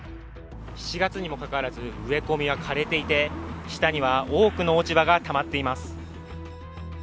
７月にもかかわらず、植え込みは枯れていて下には多くの落ち葉がたまっています。